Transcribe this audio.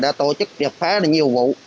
đã tổ chức triệt phá nhiều vụ